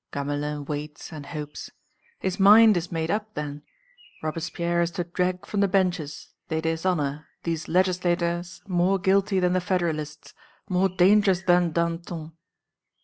Gamelin waits and hopes. His mind is made up then! Robespierre is to drag from the benches they dishonour these legislators more guilty than the federalists, more dangerous than Danton....